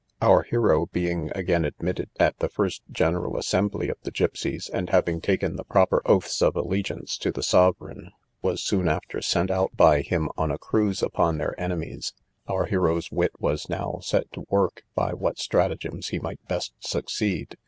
Our hero being again admitted at the first general assembly of the gipseys, and having taken the proper oaths of allegiance to the sovereign, was soon after sent out by him on a cruise upon their enemies. Our hero's wit was now set to work, by what stratagems he might best succeed.